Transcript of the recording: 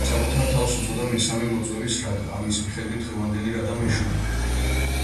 საკუთარ თავს უწოდა მესამე მოწვევის რადა, ამის მიხედვით დღევანდელი რადა მეშვიდეა.